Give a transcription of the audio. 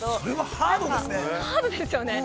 ◆ハードですよね。